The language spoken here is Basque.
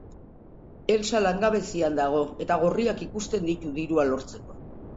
Elsa langabezian dago eta gorriak ikusten ditu dirua lortzeko.